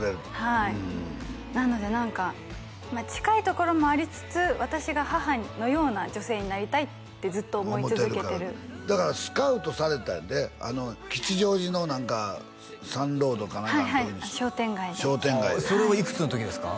はいなので何かまあ近いところもありつつ私が母のような女性になりたいってずっと思い続けてる思ってるからだからスカウトされたんやって吉祥寺の何かサンロードか何かのとこにはいはい商店街で商店街でそれはいくつの時ですか？